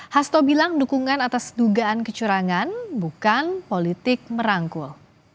hasto bilang dukungan atas dugaan kecurangan bukan politik merangkul